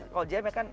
kalau jam ya kan